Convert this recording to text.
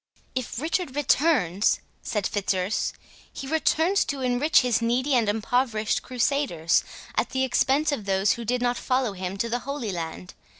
"If Richard returns," said Fitzurse, "he returns to enrich his needy and impoverished crusaders at the expense of those who did not follow him to the Holy Land.